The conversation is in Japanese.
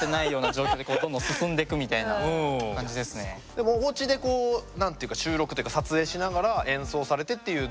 でもおうちでこう何ていうか収録っていうか撮影しながら演奏されてっていう動画をあげだして。